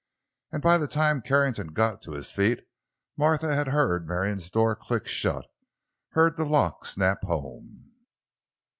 And by the time Carrington got to his feet, Martha had heard Marion's door click shut, heard the lock snap home.